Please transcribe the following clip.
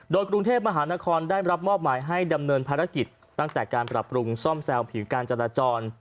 โดยกรุงเทพมหานครได้รับมอบหมายให้ดำเนินภารกิจตั้งแต่การปรับปรุงซ่อมแซวผิวการจราจร